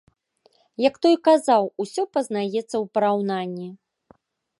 Як той казаў, усё пазнаецца ў параўнанні.